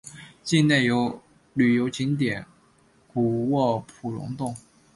境内有旅游景点谷窝普熔洞。